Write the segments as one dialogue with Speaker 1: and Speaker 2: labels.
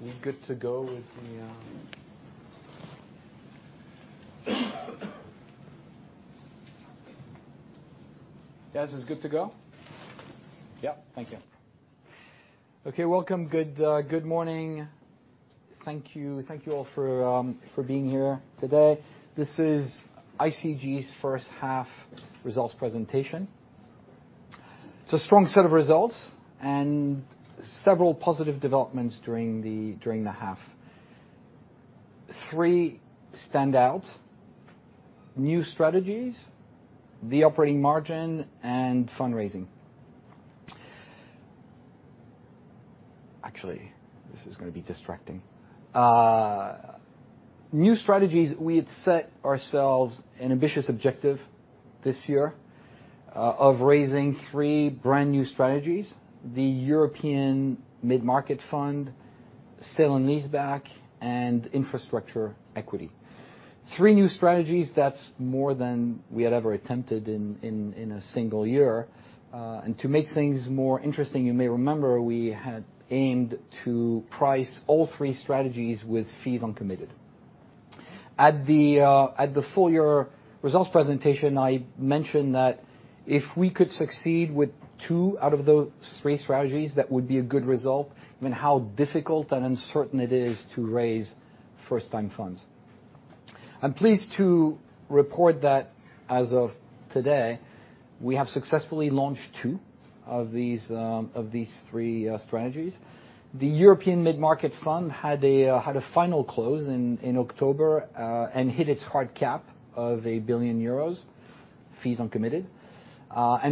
Speaker 1: We good to go with the, Guys, this is good to go? Yep. Thank you. Okay, welcome. Good morning. Thank you. Thank you all for being here today. This is ICG's first half results presentation. It's a strong set of results and several positive developments during the half. Three stand out, new strategies, the operating margin, and fundraising. Actually, this is going to be distracting. New strategies, we had set ourselves an ambitious objective this year of raising three brand-new strategies, the Europe Mid-Market Fund, Sale and Leaseback, and infrastructure equity. Three new strategies, that's more than we had ever attempted in a single year. To make things more interesting, you may remember, we had aimed to price all three strategies with fees uncommitted. At the full year results presentation, I mentioned that if we could succeed with two out of those three strategies, that would be a good result, given how difficult and uncertain it is to raise first-time funds. I'm pleased to report that as of today, we have successfully launched two of these three strategies. The Europe Mid-Market Fund had a final close in October and hit its hard cap of 1 billion euros, fees uncommitted.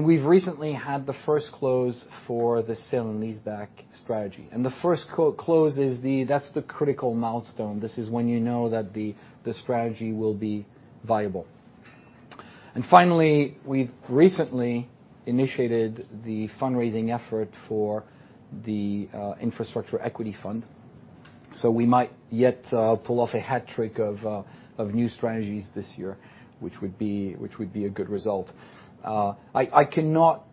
Speaker 1: We've recently had the first close for the Sale and Leaseback strategy. The first close is the critical milestone. This is when you know that the strategy will be viable. Finally, we've recently initiated the fundraising effort for the infrastructure equity fund. We might yet pull off a hat trick of new strategies this year, which would be a good result. I cannot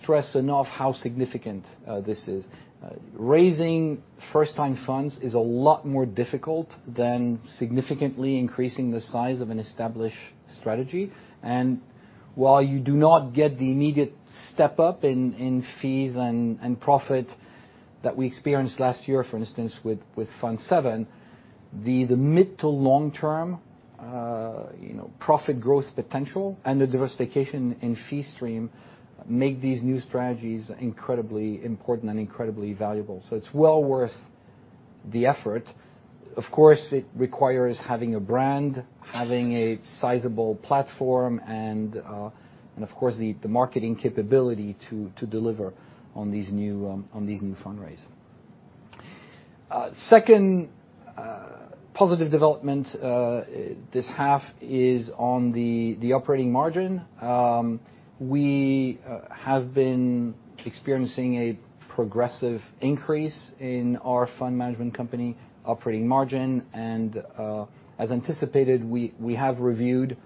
Speaker 1: stress enough how significant this is. Raising first-time funds is a lot more difficult than significantly increasing the size of an established strategy. While you do not get the immediate step-up in fees and profit that we experienced last year, for instance, with Fund Seven, the mid to long-term profit growth potential and the diversification in fee stream make these new strategies incredibly important and incredibly valuable. It's well worth the effort. Of course, it requires having a brand, having a sizable platform, and of course, the marketing capability to deliver on these new fundraising. Second positive development this half is on the operating margin. We have been experiencing a progressive increase in our fund management company operating margin, and as anticipated, we have reviewed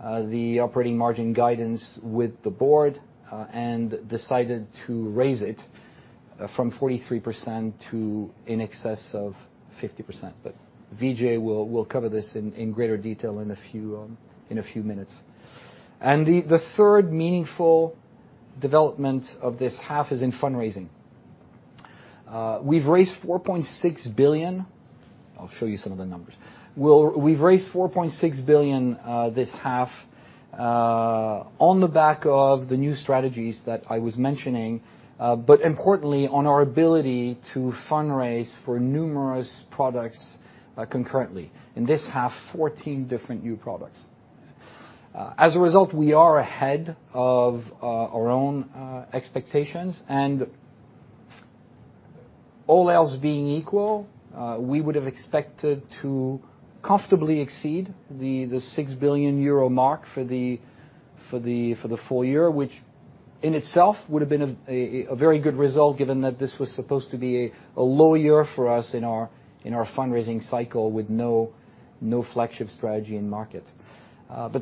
Speaker 1: the operating margin guidance with the board and decided to raise it from 43% to in excess of 50%. Vijay will cover this in greater detail in a few minutes. The third meaningful development of this half is in fundraising. We've raised 4.6 billion. I'll show you some of the numbers. We've raised 4.6 billion this half on the back of the new strategies that I was mentioning, but importantly, on our ability to fundraise for numerous products concurrently. In this half, 14 different new products. As a result, we are ahead of our own expectations, and all else being equal, we would have expected to comfortably exceed the 6 billion euro mark for the full year, which in itself would have been a very good result given that this was supposed to be a low year for us in our fundraising cycle with no flagship strategy in market.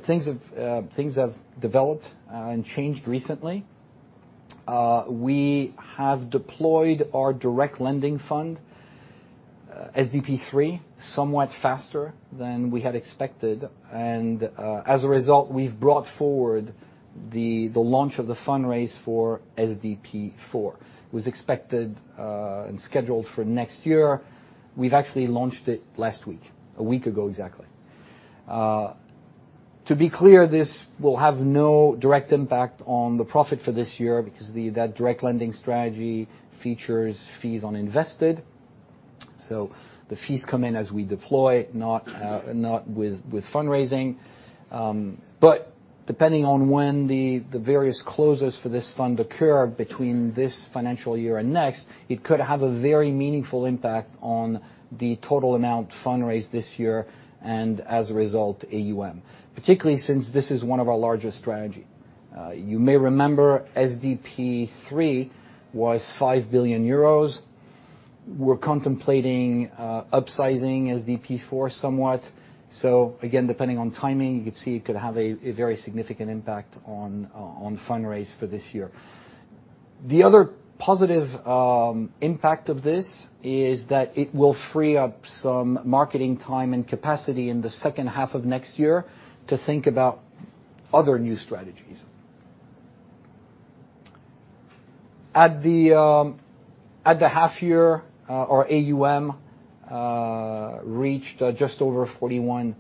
Speaker 1: Things have developed and changed recently. We have deployed our direct lending fund, SDP 3, somewhat faster than we had expected. As a result, we've brought forward the launch of the fundraise for SDP 4. It was expected and scheduled for next year. We've actually launched it last week, a week ago exactly. To be clear, this will have no direct impact on the profit for this year because that direct lending strategy features fees uninvested. The fees come in as we deploy, not with fundraising. Depending on when the various closes for this fund occur between this financial year and next, it could have a very meaningful impact on the total amount fundraised this year and as a result, AUM, particularly since this is one of our largest strategy. You may remember SDP 3 was 5 billion euros. We're contemplating upsizing SDP 4 somewhat. Again, depending on timing, you could see it could have a very significant impact on fundraise for this year. The other positive impact of this is that it will free up some marketing time and capacity in the second half of next year to think about other new strategies. At the half year, our AUM reached just over 41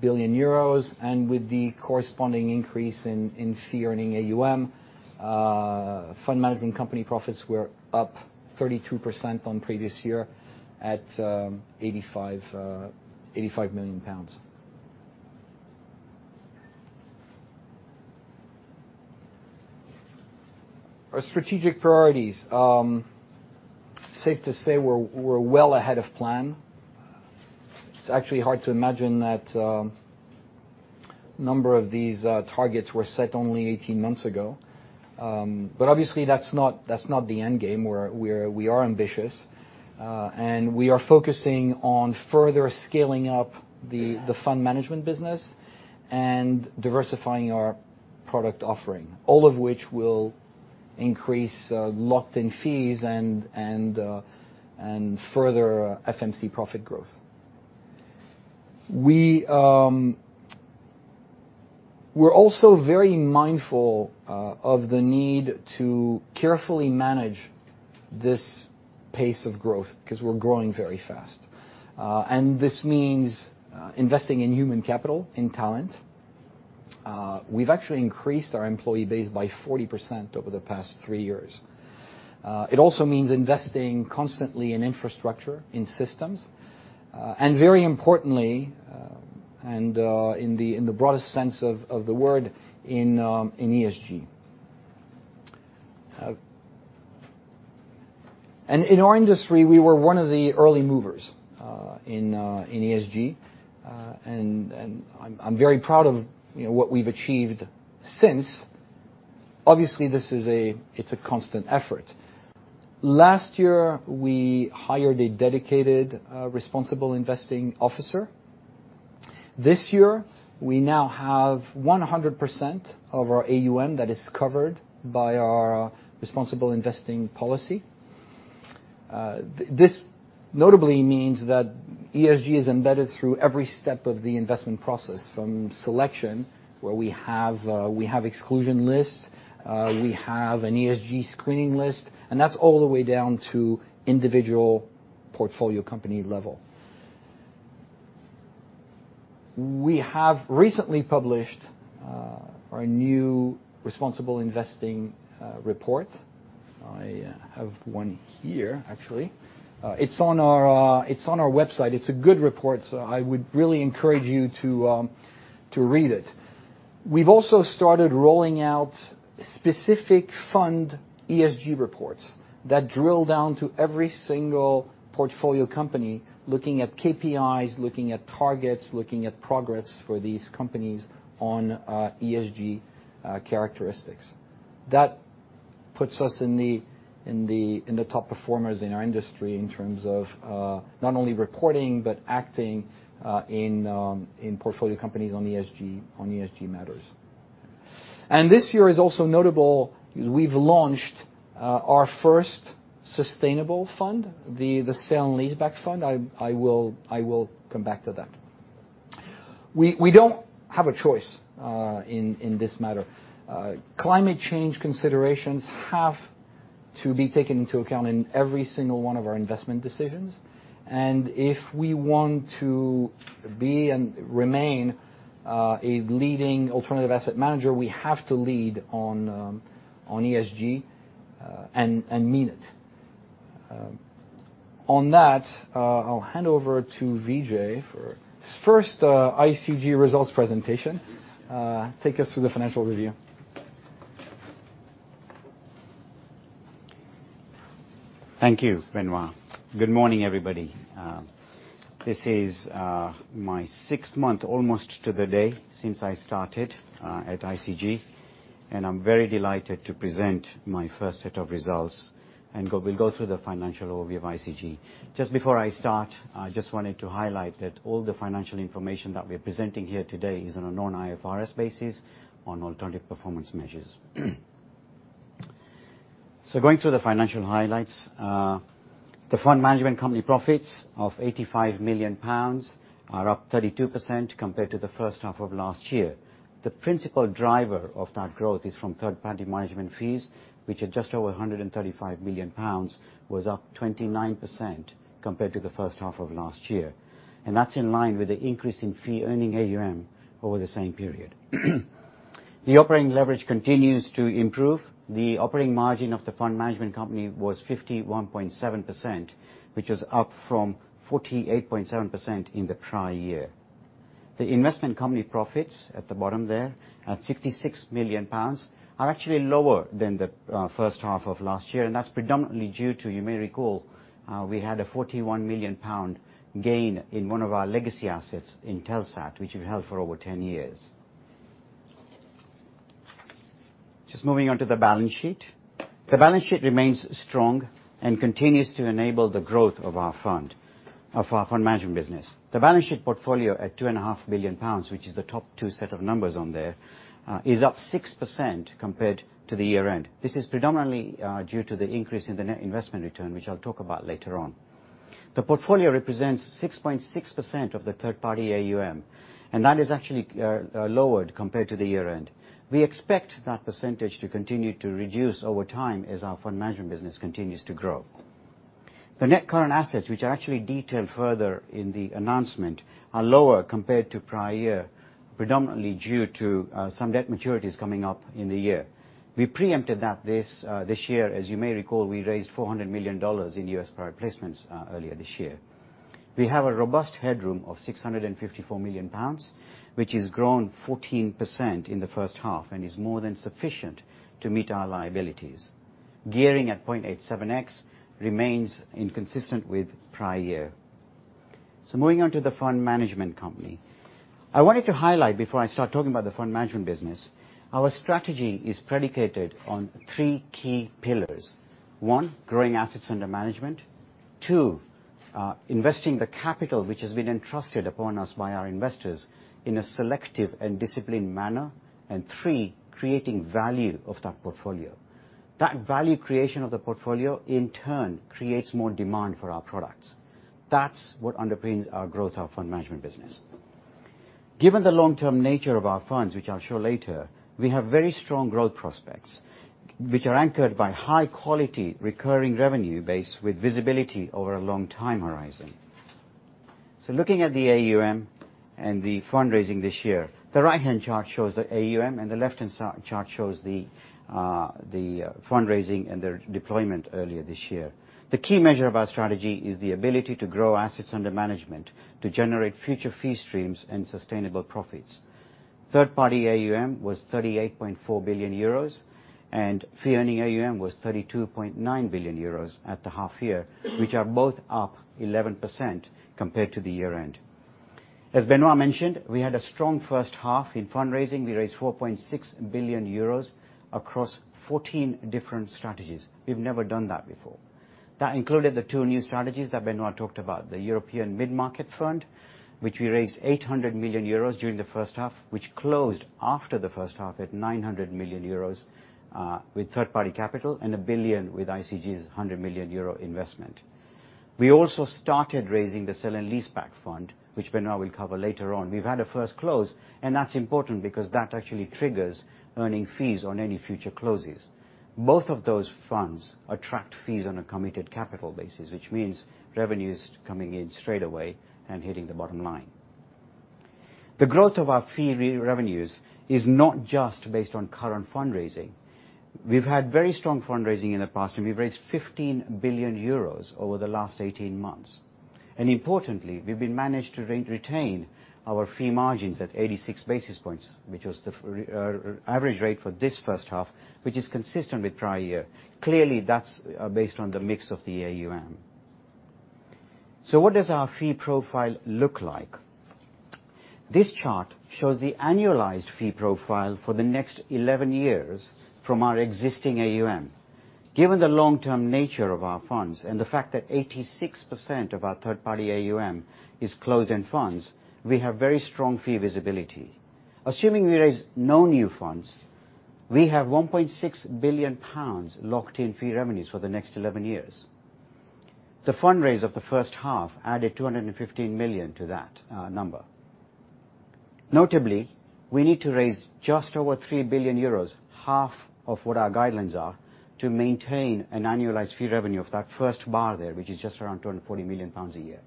Speaker 1: billion euros, and with the corresponding increase in fee-earning AUM, fund management company profits were up 32% on previous year at 85 million pounds. Our strategic priorities. Safe to say, we're well ahead of plan. It's actually hard to imagine that a number of these targets were set only 18 months ago. Obviously that's not the end game. We are ambitious, and we are focusing on further scaling up the fund management business and diversifying our product offering, all of which will increase locked-in fees and further FMC profit growth. We're also very mindful of the need to carefully manage this pace of growth because we're growing very fast. This means investing in human capital, in talent. We've actually increased our employee base by 40% over the past three years. It also means investing constantly in infrastructure, in systems, and very importantly, and in the broadest sense of the word, in ESG. In our industry, we were one of the early movers in ESG, and I'm very proud of what we've achieved since. Obviously, this is a constant effort. Last year, we hired a dedicated Responsible Investing Officer. This year, we now have 100% of our AUM that is covered by our responsible investing policy. This notably means that ESG is embedded through every step of the investment process, from selection, where we have exclusion lists, we have an ESG screening list, and that's all the way down to individual portfolio company level. We have recently published our new responsible investing report. I have one here, actually. It's on our website. It's a good report, so I would really encourage you to read it. We've also started rolling out specific fund ESG reports that drill down to every single portfolio company, looking at KPIs, looking at targets, looking at progress for these companies on ESG characteristics. That puts us in the top performers in our industry in terms of not only reporting, but acting in portfolio companies on ESG matters. This year is also notable because we've launched our first sustainable fund, the Sale and Leaseback Fund. I will come back to that. We don't have a choice in this matter. Climate change considerations have to be taken into account in every single one of our investment decisions. If we want to be and remain a leading alternative asset manager, we have to lead on ESG, and mean it. On that, I'll hand over to Vijay for his first ICG results presentation. Take us through the financial review.
Speaker 2: Thank you, Benoît. Good morning, everybody. This is my sixth month, almost to the day, since I started at ICG, and I'm very delighted to present my first set of results and we'll go through the financial overview of ICG. Just before I start, I just wanted to highlight that all the financial information that we're presenting here today is on a non-IFRS basis on alternative performance measures. Going through the financial highlights, the fund management company profits of 85 million pounds are up 32% compared to the first half of last year. The principal driver of that growth is from third-party management fees, which are just over 135 million pounds, was up 29% compared to the first half of last year. That's in line with the increase in fee-earning AUM over the same period. The operating leverage continues to improve. The operating margin of the fund management company was 51.7%, which is up from 48.7% in the prior year. The investment company profits, at the bottom there, at 66 million pounds, are actually lower than the first half of last year, and that's predominantly due to, you may recall, we had a 41 million pound gain in one of our legacy assets in Inmarsat, which we've held for over 10 years. Just moving on to the balance sheet. The balance sheet remains strong and continues to enable the growth of our fund management business. The balance sheet portfolio at 2.5 million pounds, which is the top two set of numbers on there, is up 6% compared to the year-end. This is predominantly due to the increase in the net investment return, which I'll talk about later on. The portfolio represents 6.6% of the third party AUM, and that is actually lowered compared to the year-end. We expect that percentage to continue to reduce over time as our fund management business continues to grow. The net current assets, which are actually detailed further in the announcement, are lower compared to prior year, predominantly due to some debt maturities coming up in the year. We preempted that this year. As you may recall, we raised $400 million in U.S. private placements earlier this year. We have a robust headroom of 654 million pounds, which has grown 14% in the first half and is more than sufficient to meet our liabilities. Gearing at 0.87x remains inconsistent with prior year. Moving on to the Fund Management Company. I wanted to highlight before I start talking about the fund management business, our strategy is predicated on three key pillars. One, growing assets under management. Two, investing the capital which has been entrusted upon us by our investors in a selective and disciplined manner. Three, creating value of that portfolio. That value creation of the portfolio in turn creates more demand for our products. That's what underpins our growth of our fund management business. Given the long-term nature of our funds, which I'll show later, we have very strong growth prospects, which are anchored by high quality recurring revenue base with visibility over a long time horizon. Looking at the AUM and the fundraising this year, the right-hand chart shows the AUM and the left-hand side chart shows the fundraising and their deployment earlier this year. The key measure of our strategy is the ability to grow assets under management to generate future fee streams and sustainable profits. Third-party AUM was 38.4 billion euros and fee-earning AUM was 32.9 billion euros at the half year, which are both up 11% compared to the year-end. As Benoît mentioned, we had a strong first half in fundraising. We raised 4.6 billion euros across 14 different strategies. We've never done that before. That included the two new strategies that Benoît talked about, the Europe Mid-Market Fund, which we raised 800 million euros during the first half, which closed after the first half at 900 million euros, with third-party capital and 1 billion with ICG's 100 million euro investment. We also started raising the Sale and Leaseback Fund, which Benoît will cover later on. We've had a first close. That's important because that actually triggers earning fees on any future closes. Both of those funds attract fees on a committed capital basis, which means revenue's coming in straight away and hitting the bottom line. The growth of our fee revenues is not just based on current fundraising. We've had very strong fundraising in the past, and we've raised 15 billion euros over the last 18 months. Importantly, we've been managed to retain our fee margins at 86 basis points, which was the average rate for this first half, which is consistent with prior year. Clearly, that's based on the mix of the AUM. What does our fee profile look like? This chart shows the annualized fee profile for the next 11 years from our existing AUM. Given the long-term nature of our funds and the fact that 86% of our third-party AUM is closed in funds, we have very strong fee visibility. Assuming we raise no new funds, we have 1.6 billion pounds locked in fee revenues for the next 11 years. The fundraise of the first half added 215 million to that number. Notably, we need to raise just over 3 billion euros, half of what our guidelines are to maintain an annualized fee revenue of that first bar there, which is just around 240 million pounds a year.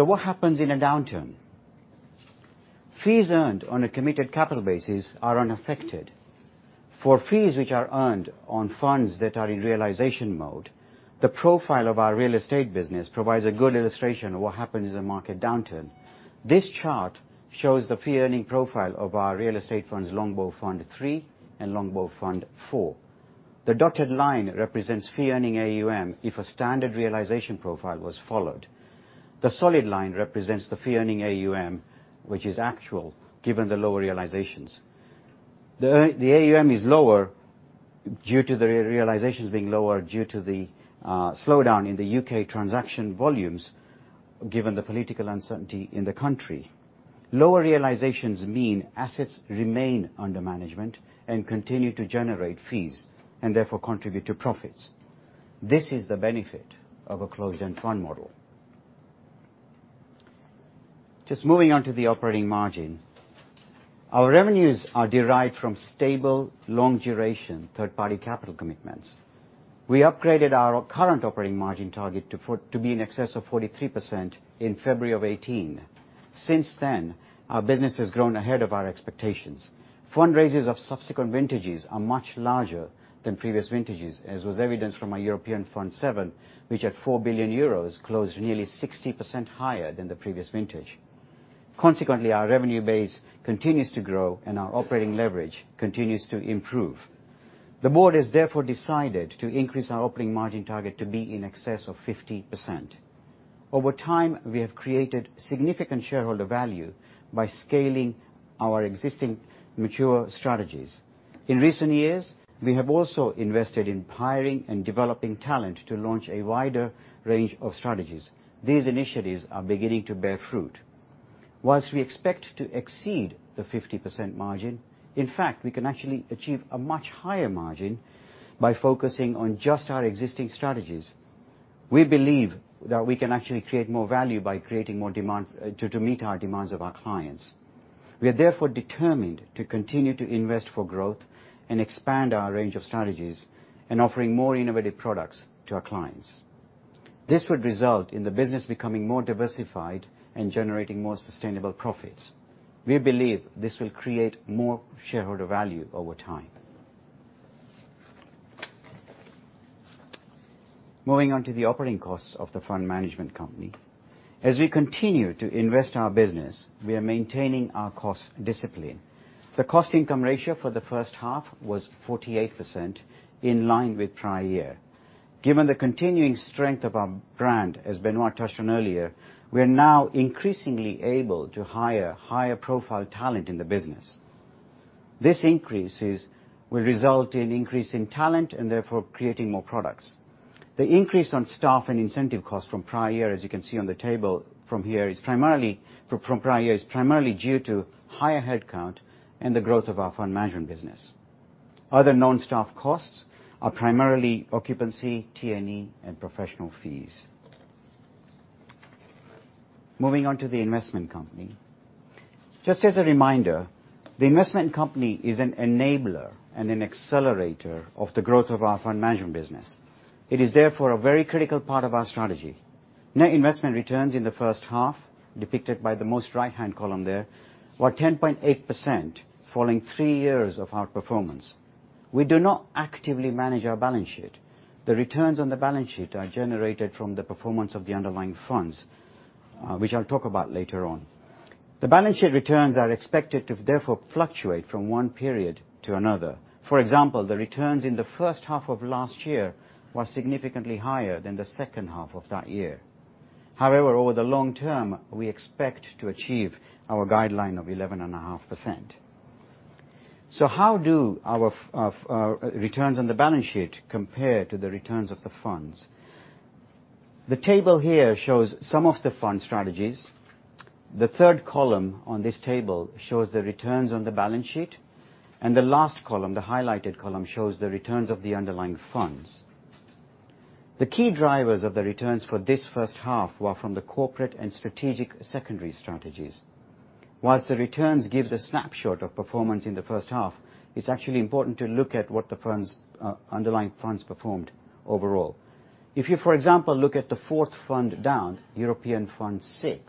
Speaker 2: What happens in a downturn? Fees earned on a committed capital basis are unaffected. For fees which are earned on funds that are in realization mode, the profile of our real estate business provides a good illustration of what happens in a market downturn. This chart shows the fee earning profile of our real estate funds, Longbow Fund 3 and Longbow Fund 4. The dotted line represents fee-earning AUM if a standard realization profile was followed. The solid line represents the fee-earning AUM, which is actual given the lower realizations. The AUM is lower due to the realizations being lower due to the slowdown in the U.K. transaction volumes, given the political uncertainty in the country. Lower realizations mean assets remain under management and continue to generate fees, and therefore contribute to profits. This is the benefit of a closed-end fund model. Moving on to the operating margin. Our revenues are derived from stable, long duration, third party capital commitments. We upgraded our current operating margin target to be in excess of 43% in February of 2018. Since then, our business has grown ahead of our expectations. Fundraises of subsequent vintages are much larger than previous vintages, as was evidenced from our Europe Fund VII, which at 4 billion euros, closed nearly 60% higher than the previous vintage. Consequently, our revenue base continues to grow and our operating leverage continues to improve. The board has therefore decided to increase our operating margin target to be in excess of 50%. Over time, we have created significant shareholder value by scaling our existing mature strategies. In recent years, we have also invested in hiring and developing talent to launch a wider range of strategies. These initiatives are beginning to bear fruit. We expect to exceed the 50% margin, in fact, we can actually achieve a much higher margin by focusing on just our existing strategies. We believe that we can actually create more value by creating more demand to meet our demands of our clients. We are therefore determined to continue to invest for growth and expand our range of strategies in offering more innovative products to our clients. This would result in the business becoming more diversified and generating more sustainable profits. We believe this will create more shareholder value over time. Moving on to the operating costs of the fund management company. As we continue to invest our business, we are maintaining our cost discipline. The cost income ratio for the first half was 48%, in line with prior year. Given the continuing strength of our brand, as Benoît touched on earlier, we are now increasingly able to hire higher profile talent in the business. These increases will result in increase in talent and therefore creating more products. The increase on staff and incentive costs from prior year, as you can see on the table from here, is primarily due to higher headcount and the growth of our fund management business. Other non-staff costs are primarily occupancy, T&E, and professional fees. Moving on to the investment company. Just as a reminder, the investment company is an enabler and an accelerator of the growth of our fund management business. It is therefore a very critical part of our strategy. Net investment returns in the first half, depicted by the most right-hand column there, were 10.8%, following three years of outperformance. We do not actively manage our balance sheet. The returns on the balance sheet are generated from the performance of the underlying funds, which I'll talk about later on. The balance sheet returns are expected to therefore fluctuate from one period to another. For example, the returns in the first half of last year were significantly higher than the second half of that year. Over the long term, we expect to achieve our guideline of 11.5%. How do our returns on the balance sheet compare to the returns of the funds? The table here shows some of the fund strategies. The third column on this table shows the returns on the balance sheet, and the last column, the highlighted column, shows the returns of the underlying funds. The key drivers of the returns for this first half were from the corporate and strategic secondary strategies. The returns gives a snapshot of performance in the first half, it's actually important to look at what the underlying funds performed overall. If you, for example, look at the fourth fund down, Europe Fund VI,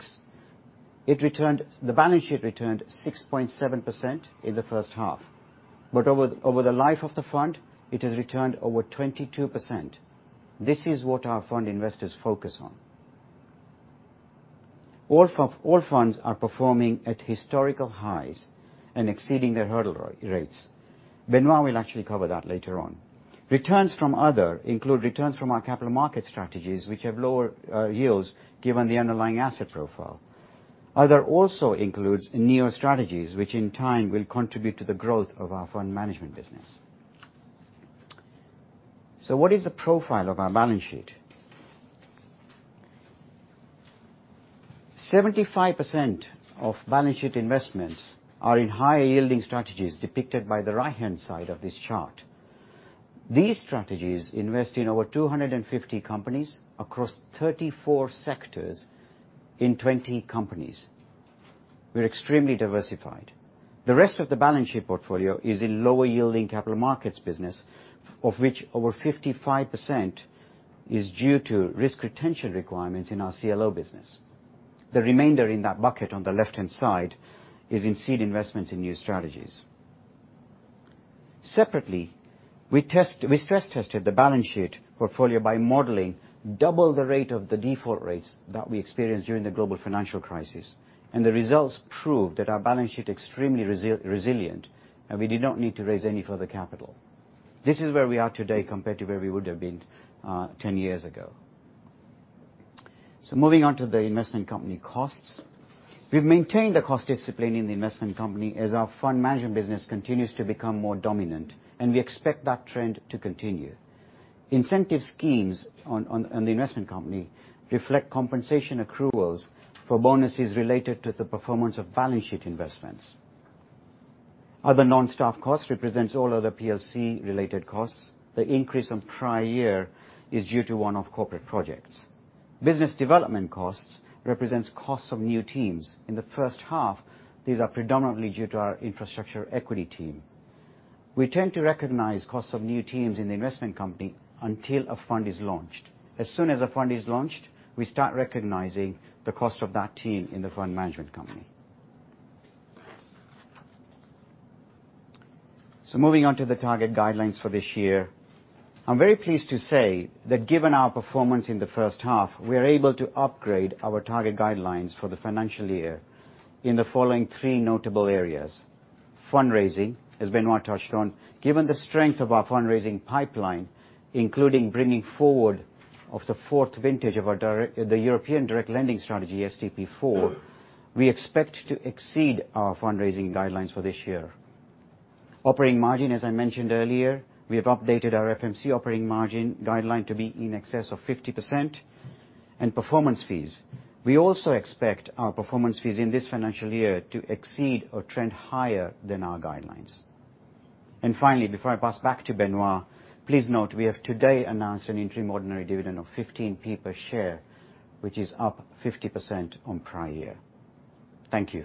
Speaker 2: the balance sheet returned 6.7% in the first half. Over the life of the fund, it has returned over 22%. This is what our fund investors focus on. All funds are performing at historical highs and exceeding their hurdle rates. Benoît will actually cover that later on. Returns from other include returns from our capital market strategies, which have lower yields given the underlying asset profile. Other also includes new strategies, which in time will contribute to the growth of our fund management business. What is the profile of our balance sheet? 75% of balance sheet investments are in higher yielding strategies depicted by the right-hand side of this chart. These strategies invest in over 250 companies across 34 sectors in 20 companies. We're extremely diversified. The rest of the balance sheet portfolio is in lower yielding capital markets business, of which over 55% is due to risk retention requirements in our CLO business. The remainder in that bucket on the left-hand side is in seed investments in new strategies. Separately, we stress tested the balance sheet portfolio by modeling double the rate of the default rates that we experienced during the global financial crisis, and the results prove that our balance sheet extremely resilient, and we did not need to raise any further capital. This is where we are today compared to where we would have been 10 years ago. Moving on to the investment company costs. We've maintained the cost discipline in the investment company as our fund management business continues to become more dominant, and we expect that trend to continue. Incentive schemes on the investment company reflect compensation accruals for bonuses related to the performance of balance sheet investments. Other non-staff costs represents all other PLC related costs. The increase on prior year is due to one-off corporate projects. Business development costs represents costs of new teams. In the first half, these are predominantly due to our infrastructure equity team. We tend to recognize costs of new teams in the investment company until a fund is launched. As soon as a fund is launched, we start recognizing the cost of that team in the fund management company. Moving on to the target guidelines for this year. I'm very pleased to say that given our performance in the first half, we are able to upgrade our target guidelines for the financial year in the following three notable areas. Fundraising, as Benoît touched on. Given the strength of our fundraising pipeline, including bringing forward of the fourth vintage of the European direct lending strategy, SDP IV, we expect to exceed our fundraising guidelines for this year. Operating margin, as I mentioned earlier, we have updated our FMC operating margin guideline to be in excess of 50%. Performance fees, we also expect our performance fees in this financial year to exceed or trend higher than our guidelines. Finally, before I pass back to Benoît, please note we have today announced an interim ordinary dividend of 0.15 per share, which is up 50% on prior year. Thank you.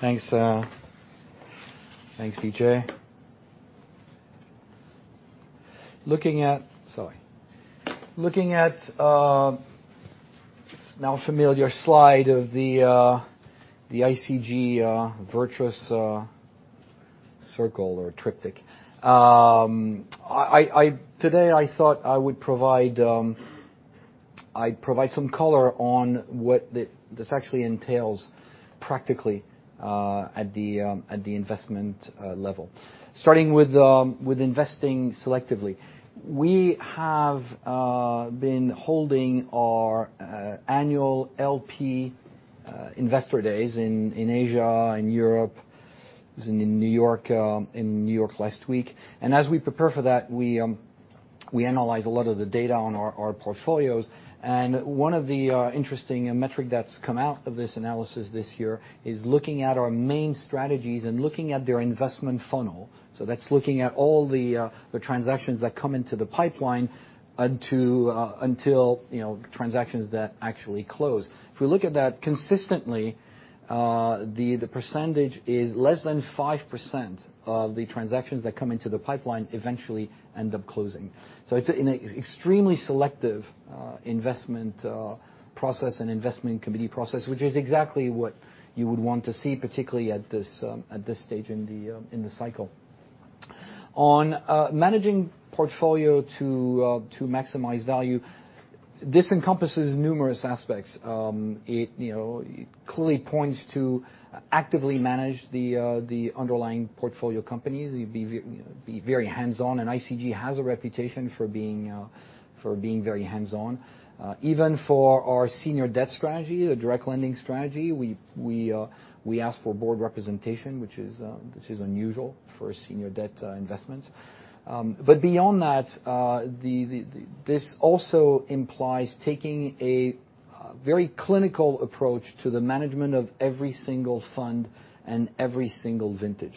Speaker 1: Thanks, Vijay. Looking at this now familiar slide of the ICG virtuous circle or triptych. Today I thought I'd provide some color on what this actually entails practically at the investment level. Starting with investing selectively. We have been holding our annual LP investor days in Asia and Europe. Was in New York last week. As we prepare for that, we analyze a lot of the data on our portfolios. One of the interesting metric that's come out of this analysis this year is looking at our main strategies and looking at their investment funnel. That's looking at all the transactions that come into the pipeline until transactions that actually close. If we look at that consistently, the percentage is less than 5% of the transactions that come into the pipeline eventually end up closing. It's an extremely selective investment process and investment committee process, which is exactly what you would want to see, particularly at this stage in the cycle. On managing portfolio to maximize value. This encompasses numerous aspects. It clearly points to actively manage the underlying portfolio companies, be very hands-on, and ICG has a reputation for being very hands-on. Even for our senior debt strategy, the direct lending strategy, we ask for board representation, which is unusual for senior debt investments. Beyond that, this also implies taking a very clinical approach to the management of every single fund and every single vintage.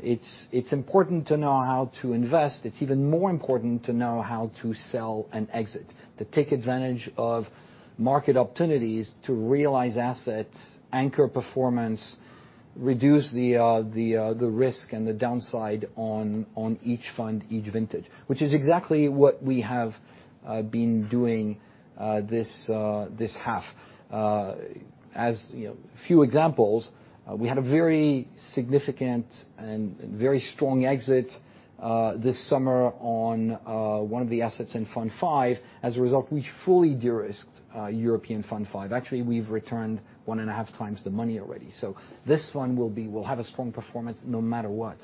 Speaker 1: It's important to know how to invest. It's even more important to know how to sell and exit, to take advantage of market opportunities to realize assets, anchor performance, reduce the risk and the downside on each fund, each vintage. Which is exactly what we have been doing this half. As a few examples, we had a very significant and very strong exit this summer on one of the assets in Fund Five. As a result, we fully de-risked European Fund Five. Actually, we've returned one and a half times the money already. This fund will have a strong performance no matter what.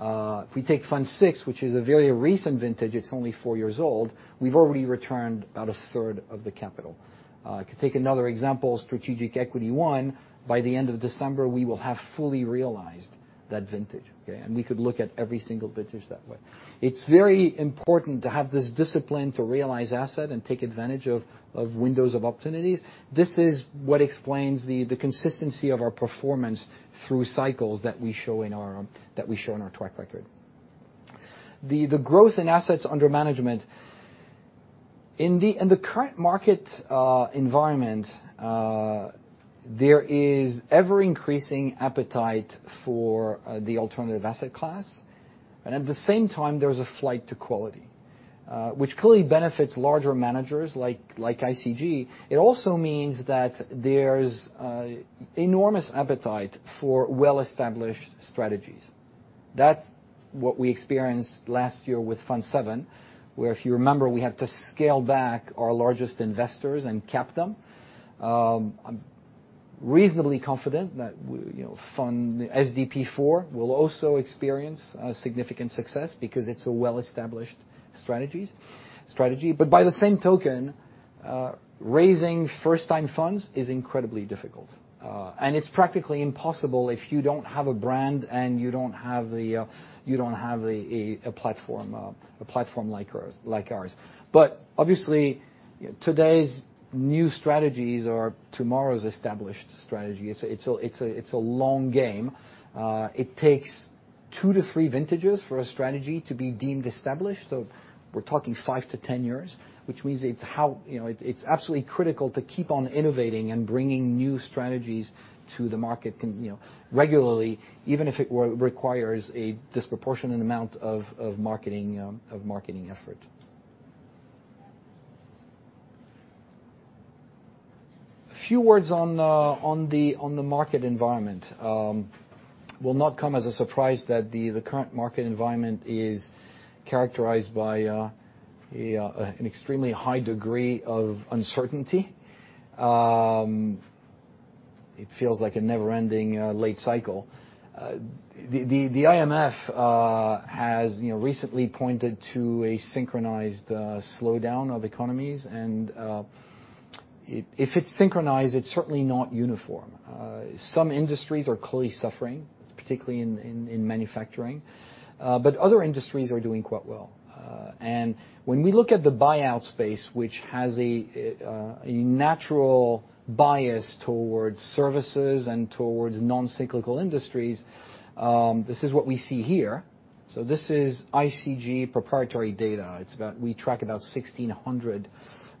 Speaker 1: If we take Fund Six, which is a very recent vintage, it's only four years old, we've already returned about a third of the capital. I could take another example, Strategic Equity One. By the end of December, we will have fully realized that vintage. Okay. We could look at every single vintage that way. It's very important to have this discipline to realize asset and take advantage of windows of opportunities. This is what explains the consistency of our performance through cycles that we show in our track record. The growth in assets under management. In the current market environment, there is ever-increasing appetite for the alternative asset class, and at the same time, there is a flight to quality, which clearly benefits larger managers like ICG. It also means that there's enormous appetite for well-established strategies. That's what we experienced last year with Fund Seven, where if you remember, we had to scale back our largest investors and cap them. I'm reasonably confident that SDP Four will also experience a significant success because it's a well-established strategy. By the same token, raising first time funds is incredibly difficult. It's practically impossible if you don't have a brand and you don't have a platform like ours. Obviously, today's new strategies are tomorrow's established strategies. It's a long game. It takes two to three vintages for a strategy to be deemed established. We're talking five to 10 years, which means it's absolutely critical to keep on innovating and bringing new strategies to the market regularly, even if it requires a disproportionate amount of marketing effort. A few words on the market environment. It will not come as a surprise that the current market environment is characterized by an extremely high degree of uncertainty. It feels like a never-ending late cycle. The IMF has recently pointed to a synchronized slowdown of economies, and if it's synchronized, it's certainly not uniform. Some industries are clearly suffering, particularly in manufacturing, but other industries are doing quite well. When we look at the buyout space, which has a natural bias towards services and towards non-cyclical industries, this is what we see here. This is ICG proprietary data. We track about 1,600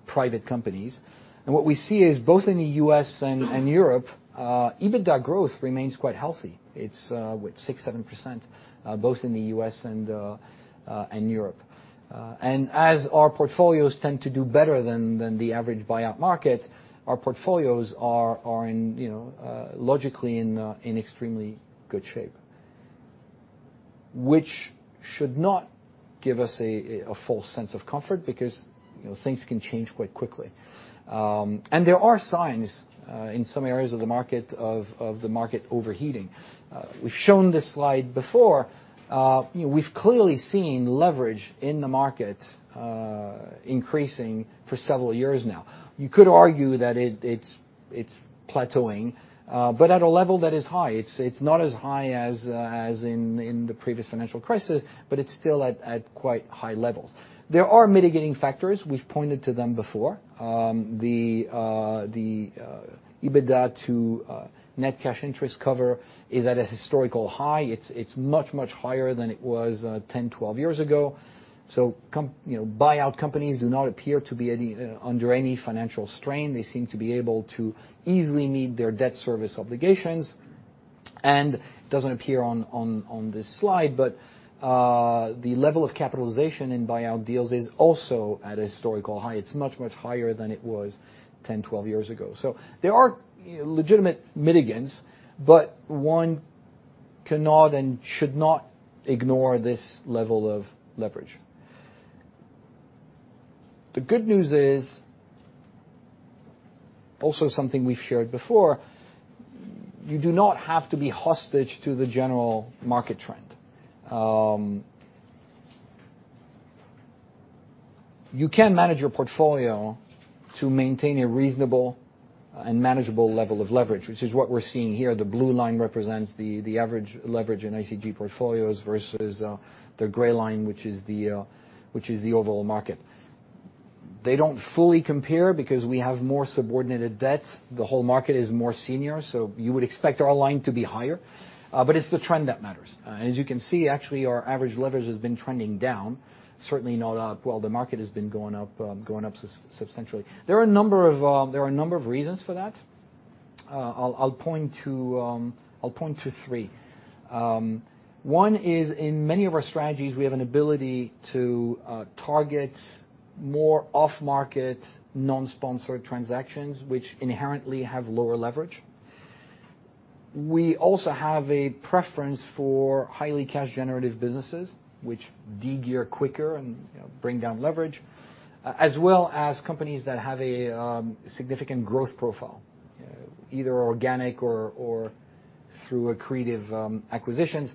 Speaker 1: private companies. What we see is both in the U.S. and Europe, EBITDA growth remains quite healthy. It's what? 6%, 7%, both in the U.S. and Europe. As our portfolios tend to do better than the average buyout market, our portfolios are logically in extremely good shape. Which should not give us a false sense of comfort because things can change quite quickly. There are signs in some areas of the market overheating. We've shown this slide before. We've clearly seen leverage in the market increasing for several years now. You could argue that it's plateauing, but at a level that is high. It's not as high as in the previous financial crisis, but it's still at quite high levels. There are mitigating factors. We've pointed to them before. The EBITDA to net cash interest cover is at a historical high. It's much, much higher than it was 10, 12 years ago. Buyout companies do not appear to be under any financial strain. They seem to be able to easily meet their debt service obligations. It doesn't appear on this slide, but the level of capitalization in buyout deals is also at a historical high. It's much, much higher than it was 10, 12 years ago. There are legitimate mitigants, but one cannot and should not ignore this level of leverage. The good news is also something we've shared before. You do not have to be hostage to the general market trend. You can manage your portfolio to maintain a reasonable and manageable level of leverage, which is what we're seeing here. The blue line represents the average leverage in ICG portfolios versus the gray line, which is the overall market. They don't fully compare because we have more subordinated debt. The whole market is more senior, so you would expect our line to be higher. It's the trend that matters. As you can see, actually, our average leverage has been trending down. Certainly not up while the market has been going up substantially. There are a number of reasons for that. I'll point to three. One is in many of our strategies, we have an ability to target more off-market, non-sponsored transactions, which inherently have lower leverage. We also have a preference for highly cash-generative businesses which de-gear quicker and bring down leverage, as well as companies that have a significant growth profile, either organic or through accretive acquisitions,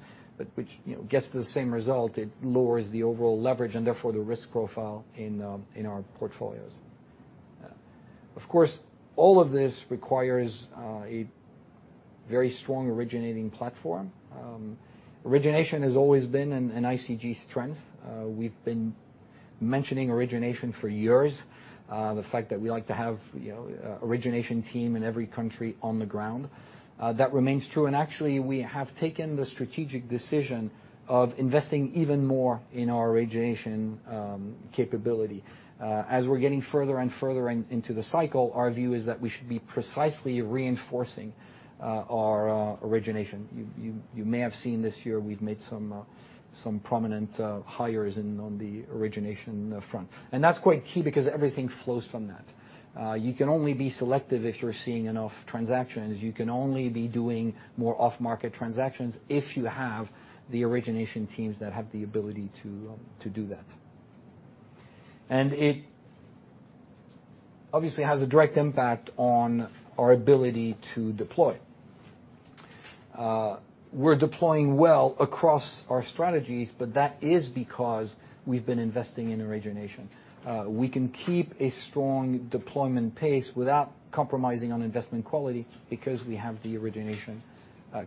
Speaker 1: which gets the same result. It lowers the overall leverage and therefore the risk profile in our portfolios. All of this requires a very strong originating platform. Origination has always been an ICG strength. We've been mentioning origination for years. The fact that we like to have origination team in every country on the ground. That remains true, actually, we have taken the strategic decision of investing even more in our origination capability. As we're getting further and further into the cycle, our view is that we should be precisely reinforcing our origination. You may have seen this year we've made some prominent hires on the origination front. That's quite key because everything flows from that. You can only be selective if you're seeing enough transactions. You can only be doing more off-market transactions if you have the origination teams that have the ability to do that. It obviously has a direct impact on our ability to deploy. We're deploying well across our strategies, but that is because we've been investing in origination. We can keep a strong deployment pace without compromising on investment quality because we have the origination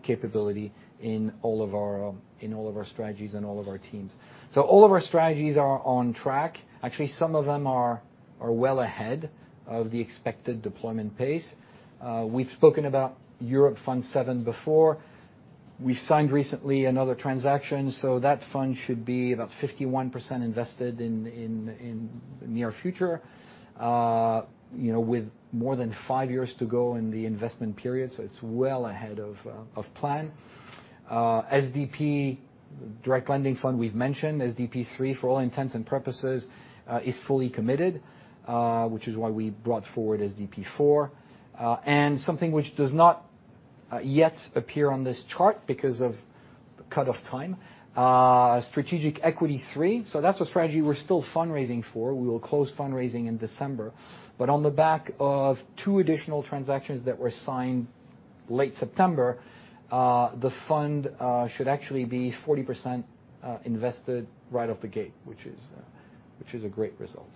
Speaker 1: capability in all of our strategies and all of our teams. All of our strategies are on track. Actually, some of them are well ahead of the expected deployment pace. We've spoken about Europe Fund VII before. We signed recently another transaction, so that fund should be about 51% invested in near future with more than five years to go in the investment period. It's well ahead of plan. SDP direct lending fund we've mentioned. SDP 3 for all intents and purposes is fully committed, which is why we brought forward SDP 4. Something which does not yet appear on this chart because of cut-off time. Strategic Equity III, that's a strategy we're still fundraising for. We will close fundraising in December. On the back of two additional transactions that were signed late September, the fund should actually be 40% invested right off the gate, which is a great result.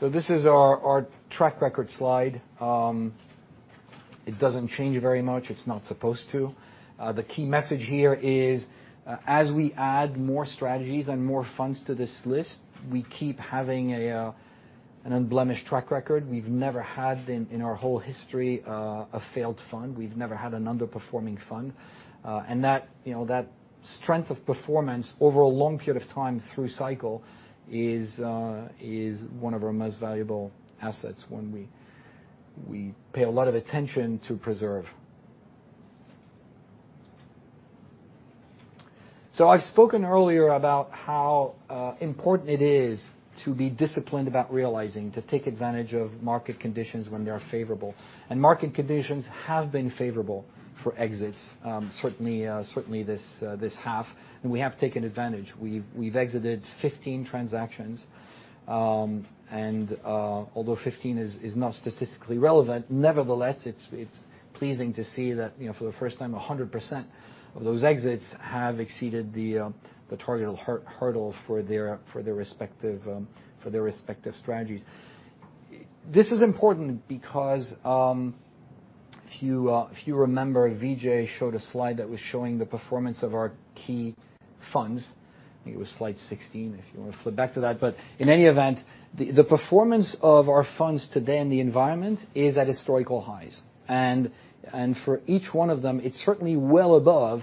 Speaker 1: This is our track record slide. It doesn't change very much. It's not supposed to. The key message here is as we add more strategies and more funds to this list, we keep having an unblemished track record. We've never had, in our whole history, a failed fund. We've never had an underperforming fund. That strength of performance over a long period of time through cycle is one of our most valuable assets when we pay a lot of attention to preserve. I've spoken earlier about how important it is to be disciplined about realizing, to take advantage of market conditions when they are favorable. Market conditions have been favorable for exits, certainly this half. We have taken advantage. We've exited 15 transactions. Although 15 is not statistically relevant, nevertheless, it's pleasing to see that for the first time, 100% of those exits have exceeded the target hurdle for their respective strategies. This is important because if you remember, Vijay showed a slide that was showing the performance of our key funds. I think it was slide 16, if you want to flip back to that. In any event, the performance of our funds today in the environment is at historical highs. For each one of them, it's certainly well above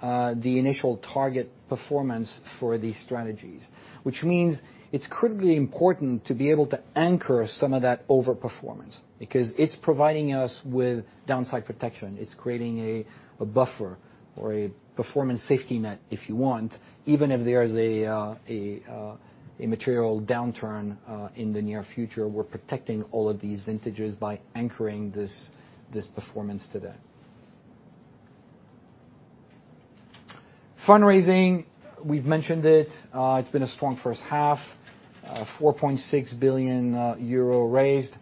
Speaker 1: the initial target performance for these strategies. Which means it's critically important to be able to anchor some of that over-performance because it's providing us with downside protection. It's creating a buffer or a performance safety net if you want. Even if there is a material downturn in the near future, we're protecting all of these vintages by anchoring this performance today. Fundraising, we've mentioned it. It's been a strong first half. 4.6 billion euro raised.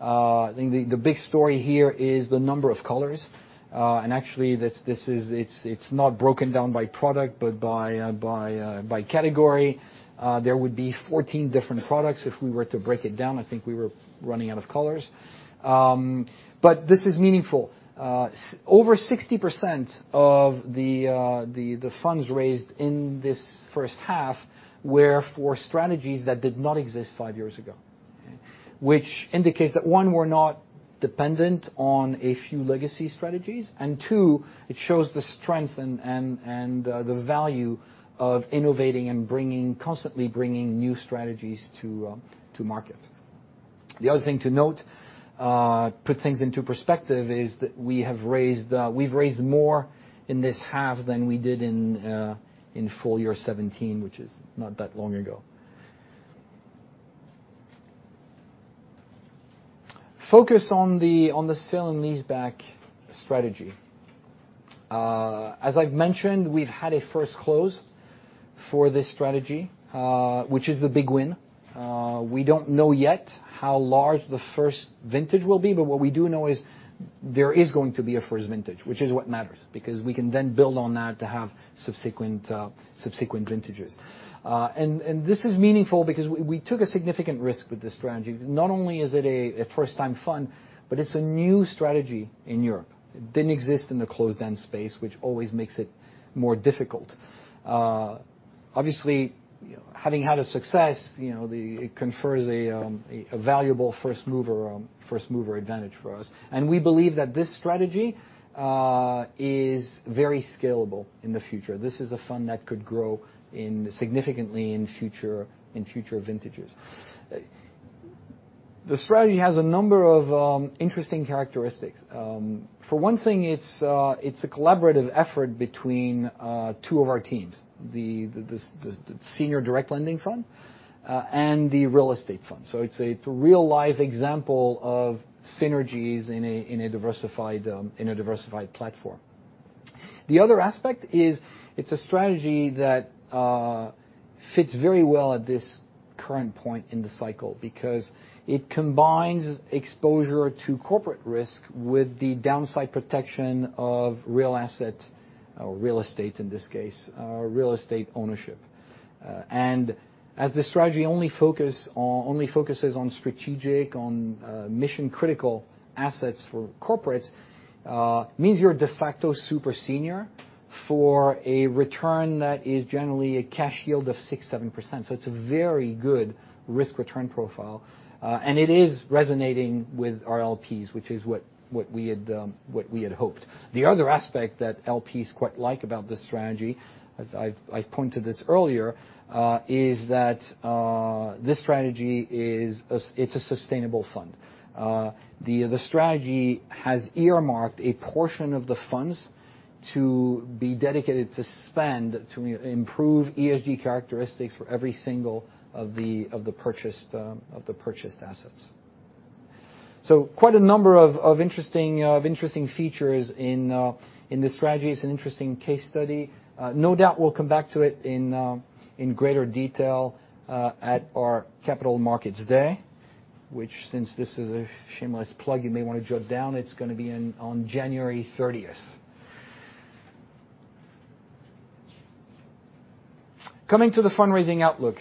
Speaker 1: I think the big story here is the number of colors. Actually, it's not broken down by product, but by category. There would be 14 different products if we were to break it down. I think we were running out of colors. This is meaningful. Over 60% of the funds raised in this first half were for strategies that did not exist five years ago. Which indicates that, one, we're not dependent on a few legacy strategies. Two, it shows the strength and the value of innovating and constantly bringing new strategies to market. The other thing to note, put things into perspective, is that we've raised more in this half than we did in full year 2017, which is not that long ago. Focus on the Sale and Leaseback strategy. As I've mentioned, we've had a first close for this strategy, which is the big win. We don't know yet how large the first vintage will be, but what we do know is there is going to be a first vintage, which is what matters because we can then build on that to have subsequent vintages. This is meaningful because we took a significant risk with this strategy. Not only is it a first-time fund, but it's a new strategy in Europe. It didn't exist in the closed-end space, which always makes it more difficult. Obviously, having had a success, it confers a valuable first-mover advantage for us. We believe that this strategy is very scalable in the future. This is a fund that could grow significantly in future vintages. The strategy has a number of interesting characteristics. For one thing, it's a collaborative effort between two of our teams. The senior direct lending fund and the real estate fund. It's a real-life example of synergies in a diversified platform. The other aspect is it's a strategy that fits very well at this current point in the cycle because it combines exposure to corporate risk with the downside protection of real asset or real estate, in this case, real estate ownership. As the strategy only focuses on mission-critical assets for corporates means you're de facto super senior for a return that is generally a cash yield of 6%-7%. It's a very good risk-return profile. It is resonating with our LPs, which is what we had hoped. The other aspect that LPs quite like about this strategy, I've pointed this earlier, is that this strategy is a sustainable fund. The strategy has earmarked a portion of the funds to be dedicated to spend to improve ESG characteristics for every single of the purchased assets. Quite a number of interesting features in this strategy. It's an interesting case study. No doubt we'll come back to it in greater detail at our capital markets day, which since this is a shameless plug, you may want to jot down. It's going to be on January 30th. Coming to the fundraising outlook.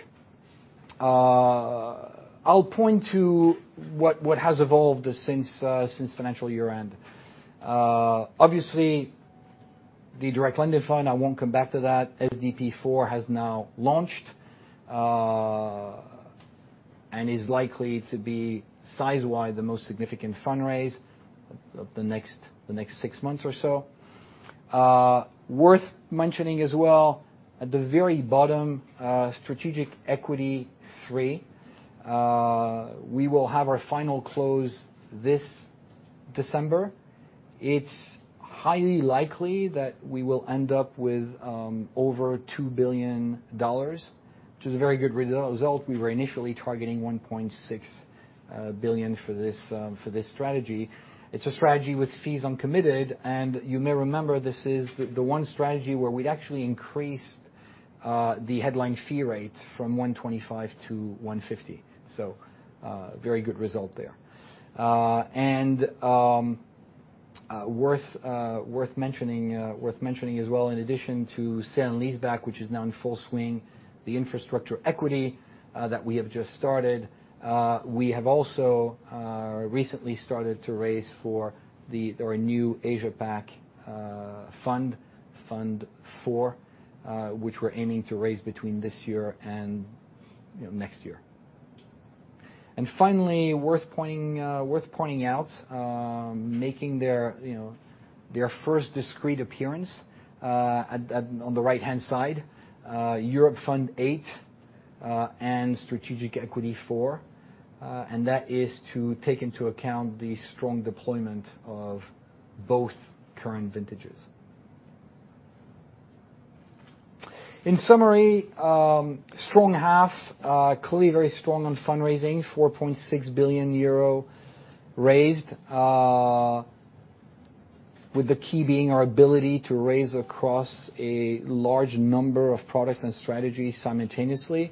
Speaker 1: I'll point to what has evolved since financial year-end. Obviously, the direct lending fund, I won't come back to that. SDP 4 has now launched, and is likely to be, size-wide, the most significant fundraise of the next six months or so. Worth mentioning as well, at the very bottom, Strategic Equity 3. We will have our final close this December. It's highly likely that we will end up with over $2 billion, which is a very good result. We were initially targeting $1.6 billion for this strategy. It's a strategy with fees uncommitted, you may remember, this is the one strategy where we'd actually increased the headline fee rate from 125 to 150. Very good result there. Worth mentioning as well, in addition to Sale and Leaseback, which is now in full swing, the infrastructure equity that we have just started. We have also recently started to raise for our new Asia Pacific fund, Fund IV, which we're aiming to raise between this year and next year. Finally, worth pointing out, making their first discrete appearance, on the right-hand side, Europe Fund VIII, and Strategic Equity IV, and that is to take into account the strong deployment of both current vintages. In summary, strong half. Clearly very strong on fundraising, 4.6 billion euro raised, with the key being our ability to raise across a large number of products and strategies simultaneously,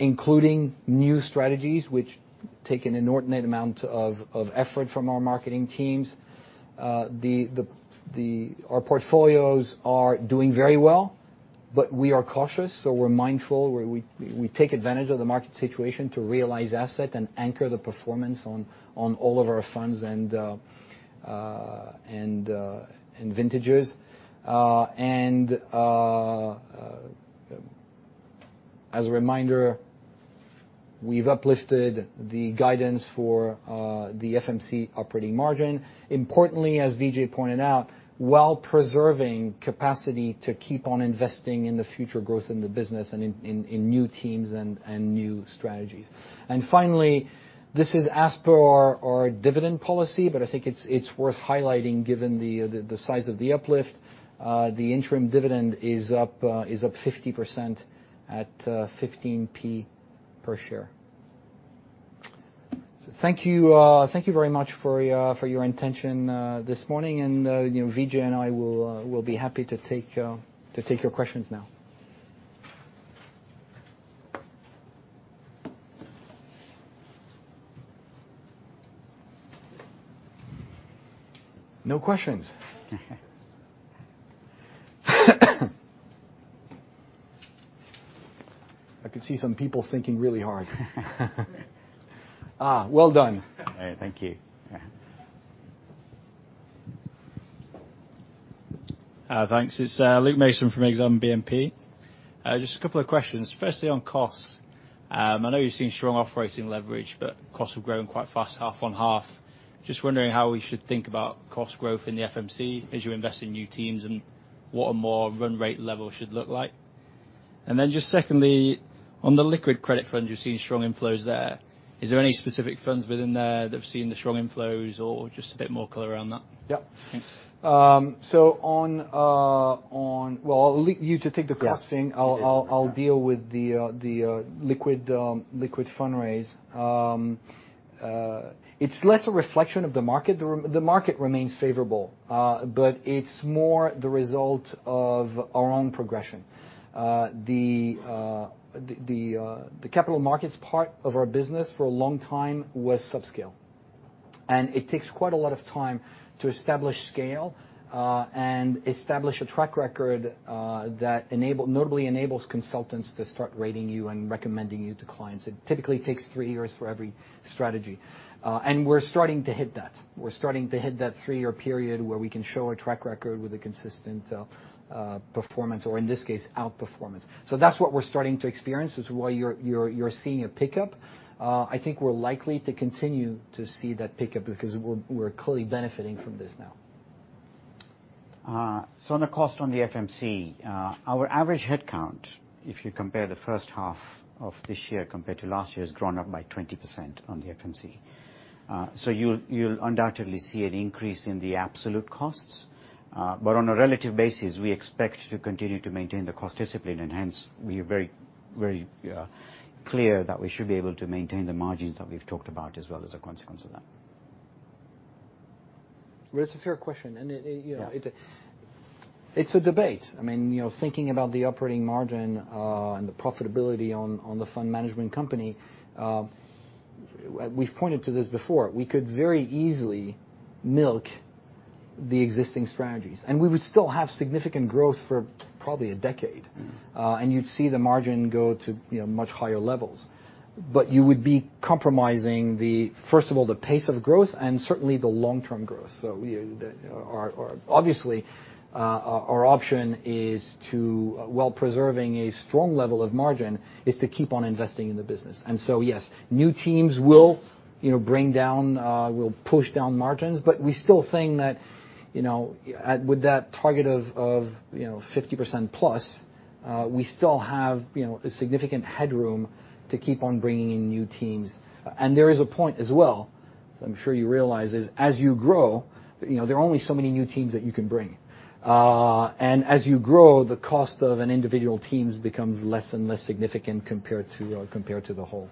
Speaker 1: including new strategies, which take an inordinate amount of effort from our marketing teams. Our portfolios are doing very well, but we are cautious, so we're mindful. We take advantage of the market situation to realize asset and anchor the performance on all of our funds and vintages. As a reminder, we've uplifted the guidance for the FMC operating margin. Importantly, as Vijay pointed out, while preserving capacity to keep on investing in the future growth in the business and in new teams and new strategies. Finally, this is as per our dividend policy, but I think it's worth highlighting given the size of the uplift. The interim dividend is up 50% at 0.15 per share. Thank you very much for your attention this morning, and Vijay and I will be happy to take your questions now. No questions? I can see some people thinking really hard. Well done.
Speaker 2: Thank you.
Speaker 3: Thanks. It's Luke Mason from Exane BNP Paribas. Just a couple of questions. Firstly, on costs. I know you've seen strong operating leverage, but costs have grown quite fast half on half. Just wondering how we should think about cost growth in the FMC as you invest in new teams, and what a more run rate level should look like. Then just secondly, on the liquid credit fund, you're seeing strong inflows there. Is there any specific funds within there that have seen the strong inflows or just a bit more color around that?
Speaker 1: Yep.
Speaker 3: Thanks.
Speaker 1: Well, I'll leave you to take the cost thing.
Speaker 2: Yeah.
Speaker 1: I'll deal with the liquid fundraise. It's less a reflection of the market. The market remains favorable, but it's more the result of our own progression. The capital markets part of our business for a long time was subscale. It takes quite a lot of time to establish scale and establish a track record that notably enables consultants to start rating you and recommending you to clients. It typically takes three years for every strategy. We're starting to hit that. We're starting to hit that three-year period where we can show a track record with a consistent performance or, in this case, outperformance. That's what we're starting to experience. It's why you're seeing a pickup. I think we're likely to continue to see that pickup because we're clearly benefiting from this now.
Speaker 2: On the cost on the FMC, our average headcount, if you compare the first half of this year compared to last year, has grown up by 20% on the FMC. You'll undoubtedly see an increase in the absolute costs. On a relative basis, we expect to continue to maintain the cost discipline, and hence, we are very clear that we should be able to maintain the margins that we've talked about as well as a consequence of that.
Speaker 1: Well, it's a fair question.
Speaker 2: Yeah.
Speaker 1: It's a debate. Thinking about the operating margin and the profitability on the fund management company, we've pointed to this before. We could very easily milk the existing strategies. We would still have significant growth for probably a decade. You'd see the margin go to much higher levels. You would be compromising, first of all, the pace of growth, and certainly the long-term growth. Obviously, our option, while preserving a strong level of margin, is to keep on investing in the business. Yes, new teams will push down margins, but we still think that with that target of 50% plus, we still have a significant headroom to keep on bringing in new teams. There is a point as well, as I'm sure you realize, is as you grow, there are only so many new teams that you can bring. As you grow, the cost of an individual teams becomes less and less significant compared to the whole.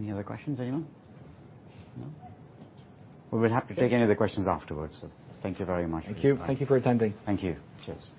Speaker 2: Any other questions, anyone? No. We will have to take any other questions afterwards. Thank you very much.
Speaker 1: Thank you. Thank you for attending.
Speaker 2: Thank you. Cheers.